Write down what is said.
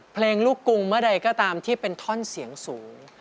เพลงลูกกรุงเมื่อใดก็ตามที่เป็นท่อนเสียงสูง